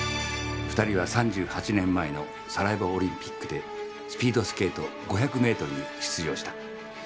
２人は３８年前のサラエボオリンピックでスピードスケート５００ｍに出場した。